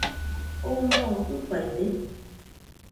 ¿Oo moo jɨfaide?